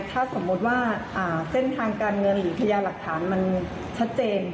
ถ้าสมมุติว่าเส้นทางการเงินหรือพยานหลักฐานมันชัดเจน